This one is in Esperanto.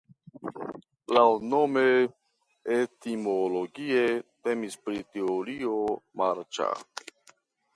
Laŭnome (etimologie) temis pri teritorio marĉa.